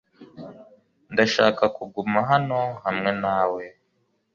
Ndashaka kuguma hano hamwe nawe .